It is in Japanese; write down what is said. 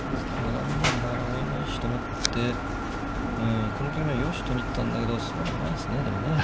あの馬もなかなか追えないしと思ってこの局面はよしと見たんだけどそうでもないですねでもね。